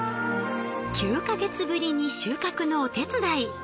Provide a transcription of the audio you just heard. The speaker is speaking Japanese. ９か月ぶりに収穫のお手伝い。